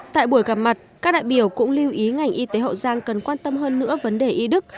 tại buổi gặp mặt các đại biểu cũng lưu ý ngành y tế hậu giang cần quan tâm hơn nữa vấn đề y đức